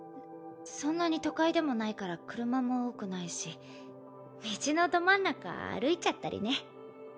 そんなに都会でもないから車も多くないし道のど真ん中歩いちゃったりね？